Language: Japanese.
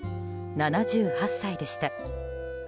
７８歳でした。